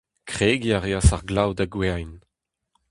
Kregiñ a reas ar glav da gouezhañ.